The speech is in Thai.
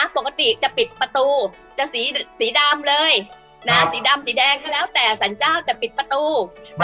ปกติจะปิดประตูจะสีดำเลยสีดำสีแดงก็แล้วแต่สรรเจ้าจะปิดประตู